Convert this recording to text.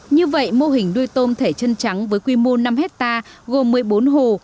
như vậy mô hình nuôi tôm thẻ chân trắng với quy mô năm hectare gồm một mươi bốn hồ